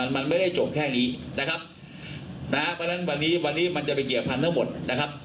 มันไม่ได้จบแค่นี้นะครับนะฮะเพราะฉะนั้นวันนี้วันนี้มันจะไปเกี่ยวพันธุ์หมดนะครับ